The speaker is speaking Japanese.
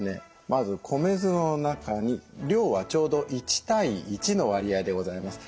まず米酢の中に量はちょうど１対１の割合でございます。